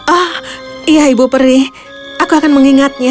oh iya ibu peri aku akan mengingatnya